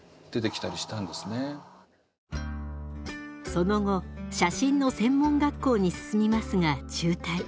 その後写真の専門学校に進みますが中退。